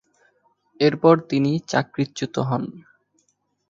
এরপর তিনি চাকরিচ্যুত হন।